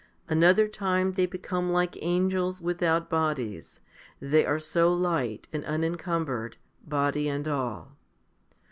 Another time they become like angels without bodies, they are so light and unencumbered, body and all.